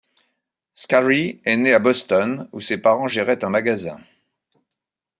Scarry est né à Boston, où ses parents géraient un magasin.